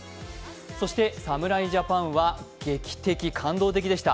そして侍ジャパンは劇的、感動的でした。